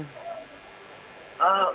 untuk wilayah indonesia tidak